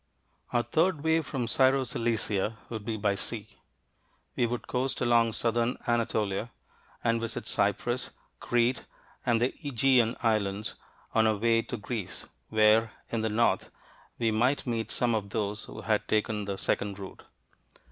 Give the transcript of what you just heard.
Our third way from Syro Cilicia would be by sea. We would coast along southern Anatolia and visit Cyprus, Crete, and the Aegean islands on our way to Greece, where, in the north, we might meet some of those who had taken the second route.